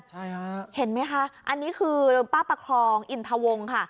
ใช่ฮะเห็นไหมคะอันนี้คือป้าประคองอินทวงค่ะ